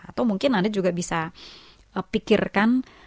atau mungkin anda juga bisa pikirkan